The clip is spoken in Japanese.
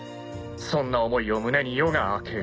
「そんな思いを胸に夜が明ける」